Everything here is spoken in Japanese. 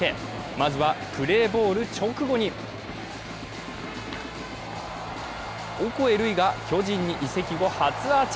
まずはプレーボール直後にオコエ瑠偉が巨人に移籍後初アーチ。